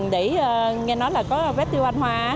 để nghe nói là có vét tiêu an hoa